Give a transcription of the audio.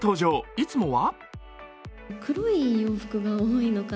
いつもは？